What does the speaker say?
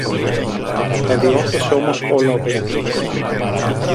Τα διόρθωσε όμως όλα ο Περικλής